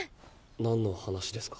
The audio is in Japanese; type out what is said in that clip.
何の話ですか？